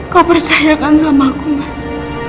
kau percayakan sama aku mas